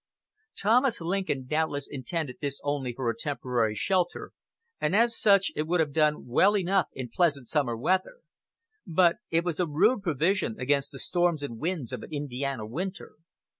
Thomas Lincoln doubtless intended this only for a temporary shelter, and as such it would have done well enough in pleasant summer weather; but it was a rude provision against the storms and winds of an Indiana winter.